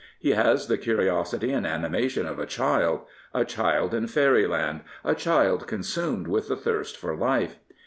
He has the curiosity and animation of a child — a child in fairyland, a child consmned with the thirst for life.